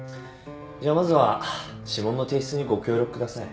じゃあまずは指紋の提出にご協力ください。